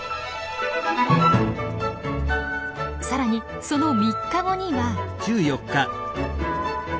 さらにその３日後には。